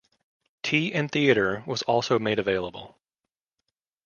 "Tea and Theatre" was also made available.